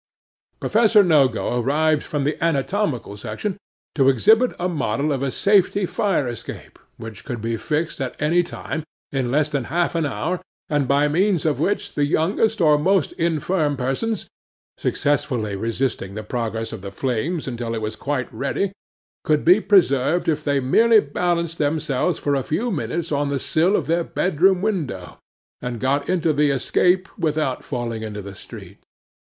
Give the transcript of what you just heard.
'PROFESSOR NOGO arrived from the anatomical section to exhibit a model of a safety fire escape, which could be fixed at any time, in less than half an hour, and by means of which, the youngest or most infirm persons (successfully resisting the progress of the flames until it was quite ready) could be preserved if they merely balanced themselves for a few minutes on the sill of their bedroom window, and got into the escape without falling into the street.